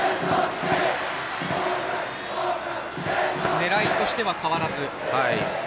狙いとしては変わらず。